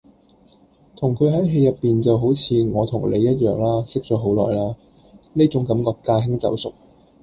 同佢喺戲入邊就好似我同你一樣啦識咗好耐啦，呢種感覺駕輕就熟